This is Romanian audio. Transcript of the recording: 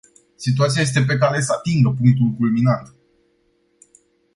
Situația este pe cale să atingă punctul culminant.